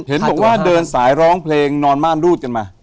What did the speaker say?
เห็นบอกว่าเดินสายร้องเพลงนอนม่านรูดกันมา